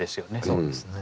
そうですね。